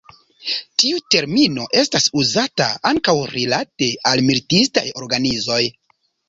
Tiu termino estas uzata ankaŭ rilate al militistaj organizoj.